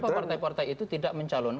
kenapa partai partai itu tidak mencalonkan